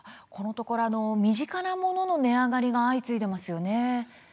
このところ身近なものの値上がりが相次いでいますよね。